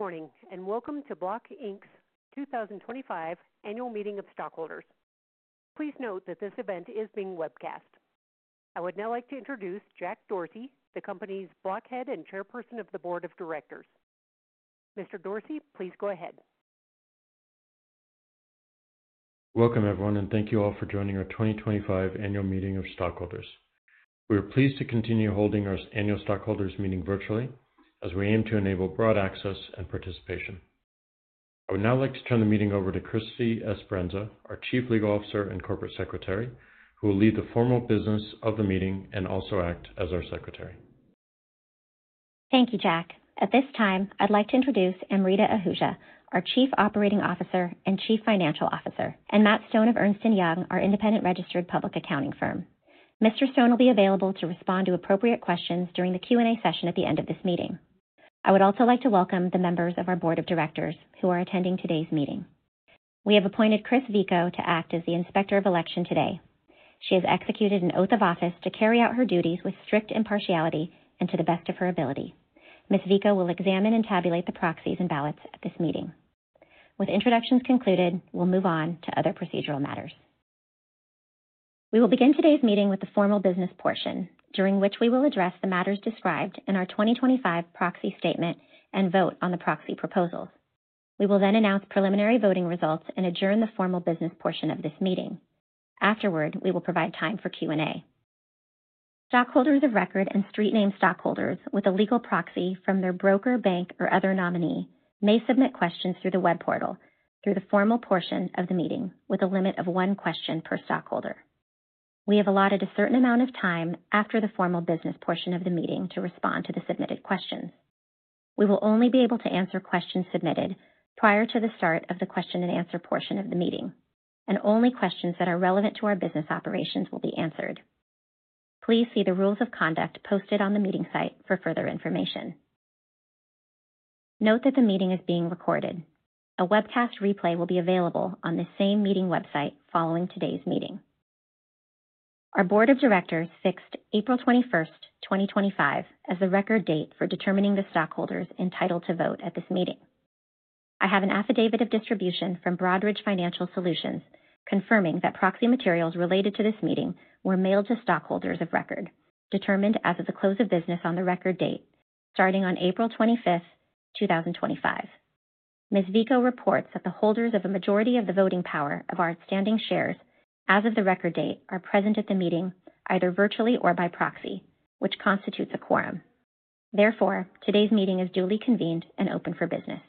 Morning, and welcome to Block's 2025 Annual Meeting of Stockholders. Please note that this event is being webcast. I would now like to introduce Jack Dorsey, the company's Block Head and Chairperson of the Board of Directors. Mr. Dorsey, please go ahead. Welcome, everyone, and thank you all for joining our 2025 Annual Meeting of Stockholders. We are pleased to continue holding our Annual Stockholders' Meeting virtually, as we aim to enable broad access and participation. I would now like to turn the meeting over to Chrysty Esperanza, our Chief Legal Officer and Corporate Secretary, who will lead the formal business of the meeting and also act as our secretary. Thank you, Jack. At this time, I'd like to introduce Amrita Ahuja, our Chief Operating Officer and Chief Financial Officer, and Matt Stone of Ernst & Young, our independent registered public accounting firm. Mr. Stone will be available to respond to appropriate questions during the Q&A session at the end of this meeting. I would also like to welcome the members of our board of directors who are attending today's meeting. We have appointed Chris Vico to act as the inspector of election today. She has executed an oath of office to carry out her duties with strict impartiality and to the best of her ability. Ms. Vico will examine and tabulate the proxies and ballots at this meeting. With introductions concluded, we'll move on to other procedural matters. We will begin today's meeting with the formal business portion, during which we will address the matters described in our 2025 proxy statement and vote on the proxy proposals. We will then announce preliminary voting results and adjourn the formal business portion of this meeting. Afterward, we will provide time for Q&A. Stockholders of record and street-name stockholders with a legal proxy from their broker, bank, or other nominee may submit questions through the web portal through the formal portion of the meeting, with a limit of one question per stockholder. We have allotted a certain amount of time after the formal business portion of the meeting to respond to the submitted questions. We will only be able to answer questions submitted prior to the start of the question-and-answer portion of the meeting, and only questions that are relevant to our business operations will be answered. Please see the rules of conduct posted on the meeting site for further information. Note that the meeting is being recorded. A webcast replay will be available on the same meeting website following today's meeting. Our Board of Directors fixed April 21st, 2025, as the record date for determining the stockholders entitled to vote at this meeting. I have an affidavit of distribution from Broadridge Financial Solutions confirming that proxy materials related to this meeting were mailed to stockholders of record, determined as of the close of business on the record date starting on April 25th, 2025. Ms. Vico reports that the holders of a majority of the voting power of our outstanding shares as of the record date are present at the meeting either virtually or by proxy, which constitutes a quorum. Therefore, today's meeting is duly convened and open for business.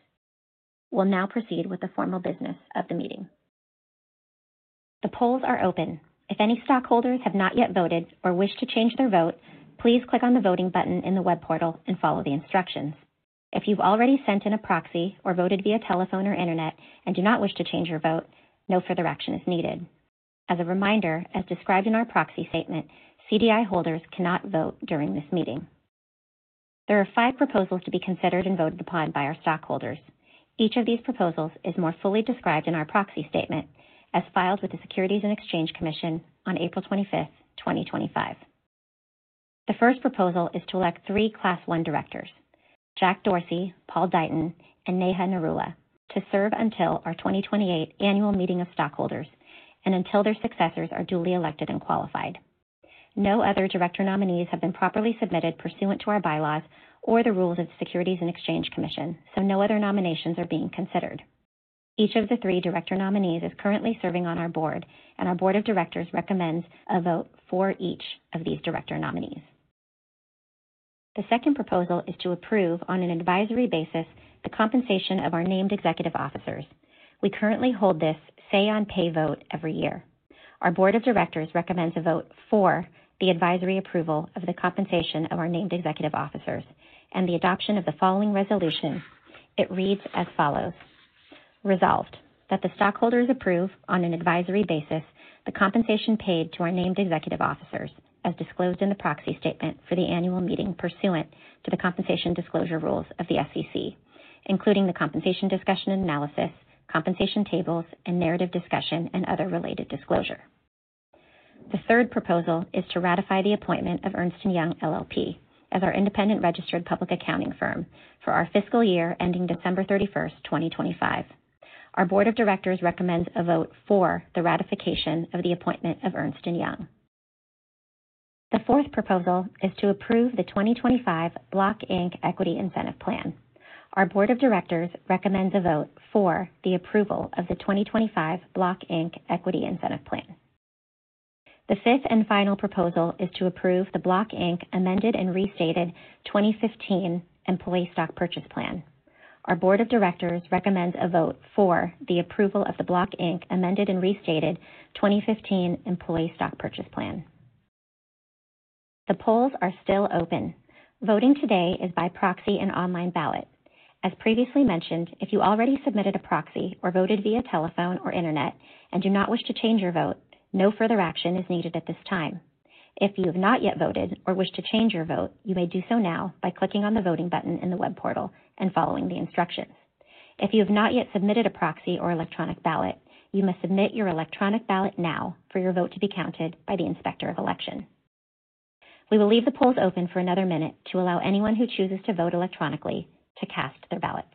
We'll now proceed with the formal business of the meeting. The polls are open. If any stockholders have not yet voted or wish to change their vote, please click on the voting button in the web portal and follow the instructions. If you've already sent in a proxy or voted via telephone or internet and do not wish to change your vote, no further action is needed. As a reminder, as described in our proxy statement, CDI holders cannot vote during this meeting. There are five proposals to be considered and voted upon by our stockholders. Each of these proposals is more fully described in our proxy statement as filed with the Securities and Exchange Commission on April 25th, 2025. The first proposal is to elect three Class 1 directors, Jack Dorsey, Paul Deighton, and Neha Narula, to serve until our 2028 Annual Meeting of Stockholders and until their successors are duly elected and qualified. No other director nominees have been properly submitted pursuant to our bylaws or the rules of the Securities and Exchange Commission, so no other nominations are being considered. Each of the three director nominees is currently serving on our board, and our board of directors recommends a vote for each of these director nominees. The second proposal is to approve, on an advisory basis, the compensation of our named executive officers. We currently hold this say-on-pay vote every year. Our board of directors recommends a vote for the advisory approval of the compensation of our named executive officers and the adoption of the following resolution. It reads as follows: Resolved that the stockholders approve, on an advisory basis, the compensation paid to our named executive officers, as disclosed in the proxy statement for the annual meeting pursuant to the compensation disclosure rules of the SEC, including the compensation discussion analysis, compensation tables, and narrative discussion and other related disclosure. The third proposal is to ratify the appointment of Ernst & Young LLP as our independent registered public accounting firm for our fiscal year ending December 31st, 2025. Our board of directors recommends a vote for the ratification of the appointment of Ernst & Young. The fourth proposal is to approve the 2025 Block Inc Equity Incentive Plan. Our board of directors recommends a vote for the approval of the 2025 Block Inc Equity Incentive Plan. The fifth and final proposal is to approve the Block Inc amended and restated 2015 Employee Stock Purchase Plan. Our board of directors recommends a vote for the approval of the Block Inc amended and restated 2015 Employee Stock Purchase Plan. The polls are still open. Voting today is by proxy and online ballot. As previously mentioned, if you already submitted a proxy or voted via telephone or internet and do not wish to change your vote, no further action is needed at this time. If you have not yet voted or wish to change your vote, you may do so now by clicking on the voting button in the web portal and following the instructions. If you have not yet submitted a proxy or electronic ballot, you must submit your electronic ballot now for your vote to be counted by the inspector of election. We will leave the polls open for another minute to allow anyone who chooses to vote electronically to cast their ballots.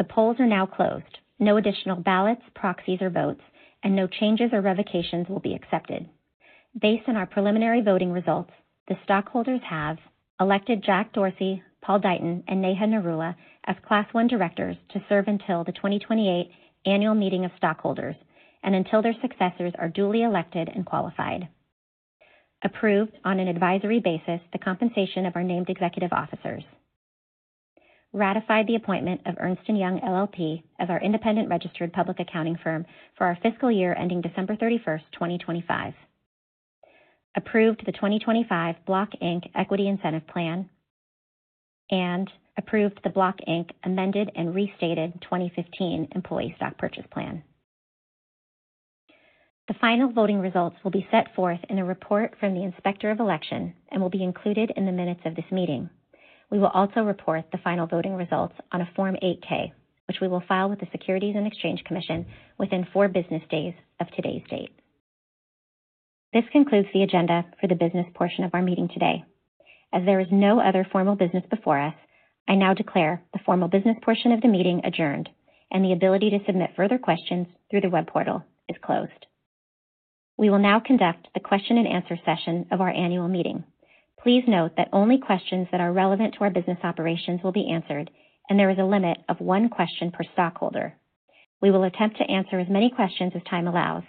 The polls are now closed. No additional ballots, proxies, or votes, and no changes or revocations will be accepted. Based on our preliminary voting results, the stockholders have elected Jack Dorsey, Paul Deighton, and Neha Narula as Class 1 directors to serve until the 2028 Annual Meeting of Stockholders and until their successors are duly elected and qualified. Approved on an advisory basis, the compensation of our named executive officers. Ratified the appointment of Ernst & Young LLP as our independent registered public accounting firm for our fiscal year ending December 31st, 2025. Approved the 2025 Block Inc Equity Incentive Plan and approved the Block Inc amended and restated 2015 Employee Stock Purchase Plan. The final voting results will be set forth in a report from the inspector of election and will be included in the minutes of this meeting. We will also report the final voting results on a Form 8-K, which we will file with the Securities and Exchange Commission within four business days of today's date. This concludes the agenda for the business portion of our meeting today. As there is no other formal business before us, I now declare the formal business portion of the meeting adjourned and the ability to submit further questions through the web portal is closed. We will now conduct the question-and-answer session of our annual meeting. Please note that only questions that are relevant to our business operations will be answered, and there is a limit of one question per stockholder. We will attempt to answer as many questions as time allows.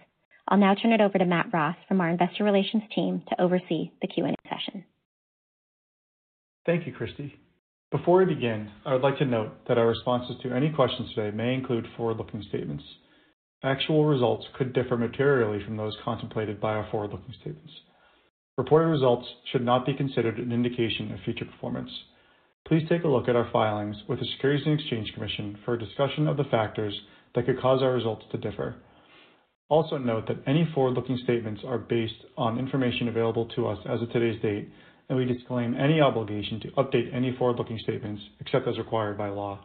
I'll now turn it over to Matt Ross from our investor relations team to oversee the Q&A session. Thank you, Chrysty. Before we begin, I would like to note that our responses to any questions today may include forward-looking statements. Actual results could differ materially from those contemplated by our forward-looking statements. Reported results should not be considered an indication of future performance. Please take a look at our filings with the Securities and Exchange Commission for a discussion of the factors that could cause our results to differ. Also note that any forward-looking statements are based on information available to us as of today's date, and we disclaim any obligation to update any forward-looking statements except as required by law.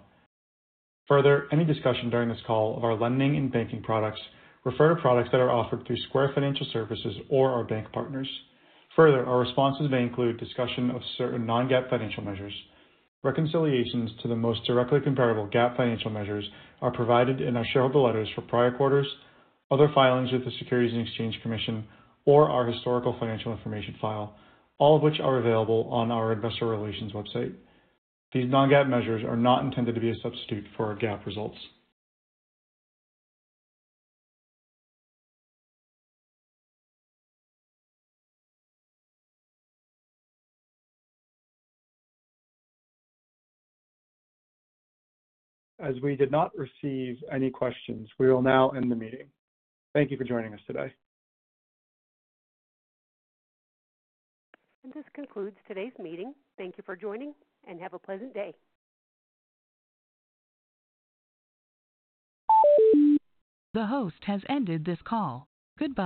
Further, any discussion during this call of our lending and banking products refers to products that are offered through Square Financial Services or our bank partners. Further, our responses may include discussion of certain non-GAAP financial measures. Reconciliations to the most directly comparable GAAP financial measures are provided in our shareholder letters for prior quarters, other filings with the Securities and Exchange Commission, or our historical financial information file, all of which are available on our investor relations website. These non-GAAP measures are not intended to be a substitute for our GAAP results. As we did not receive any questions, we will now end the meeting. Thank you for joining us today. This concludes today's meeting. Thank you for joining, and have a pleasant day. The host has ended this call. Goodbye.